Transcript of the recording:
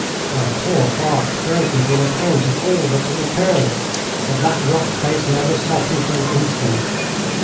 My poor Bart broke into an account of all that had occurred, but that rock face never softened for an instant.